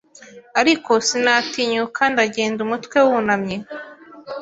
Ariko sinatinyuka ndagenda umutwe wunamye